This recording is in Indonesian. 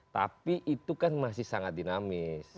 tapi itu kan masih sangat dinamis